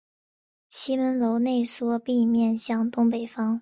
其门楼内缩并面向东北方。